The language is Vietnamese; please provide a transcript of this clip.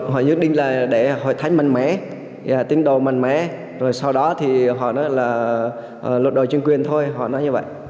họ nhất định là để hội thánh mạnh mẽ tín đồ mạnh mẽ rồi sau đó thì họ nói là luật đội chương quyền thôi họ nói như vậy